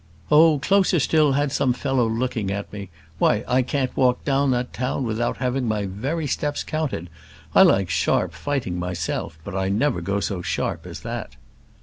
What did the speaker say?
"Oh, Closerstil had some fellow looking at me; why, I can't walk down that town without having my very steps counted. I like sharp fighting myself, but I never go so sharp as that."